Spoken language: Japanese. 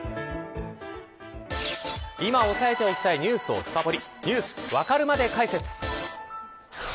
今押さえておきたいニュースを深掘りＮｅｗｓわかるまで解説。